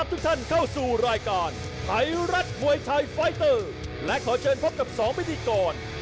และขอเจอกันพบกับ๒พิธีกร